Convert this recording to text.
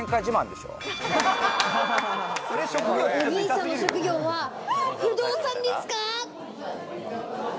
お兄さんの職業は不動産ですか？